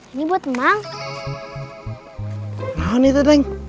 ini emang ini buat emang